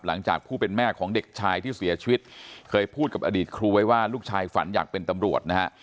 หลังจากผู้เป็นแม่ของเด็กชายที่เสียชีวิตเคยพูดกับอดีตครูไว้ว่าลูกชายฝันอยากเป็นตำรวจนะฮะ